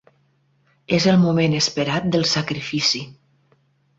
És el moment esperat del sacrifici.